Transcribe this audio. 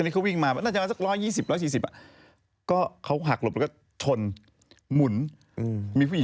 กระดิ่งออกมาเลยเหรอ